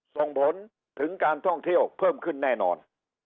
ส่งผลถึงการท่องเที่ยวเพิ่มขึ้นแน่นอน